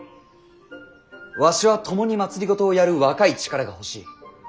わしは共に政をやる若い力が欲しい。